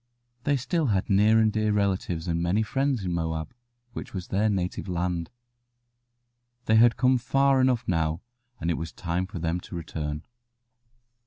They still had near and dear relatives and many friends in Moab, which was their native land. They had come far enough now, and it was time for them to return.